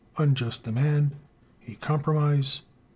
Unjust Demand. A Compromise.